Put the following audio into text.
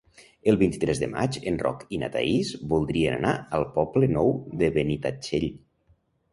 El vint-i-tres de maig en Roc i na Thaís voldrien anar al Poble Nou de Benitatxell.